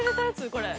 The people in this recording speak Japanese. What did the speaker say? これ。